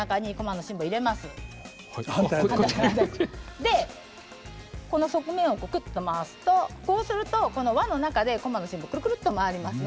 でこの側面をくっと回すとこうするとこの輪の中でこまの芯がくるくるっと回りますね。